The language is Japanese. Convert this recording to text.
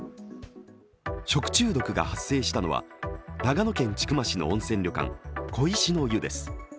食中毒が発生したのは長野県千曲市の温泉旅館、小石の湯です。